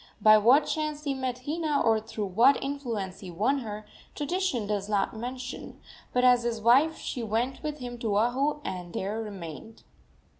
By what chance he met Hina, or through what influence he won her, tradition does not mention, but as his wife she went with him to Oahu, and there remained.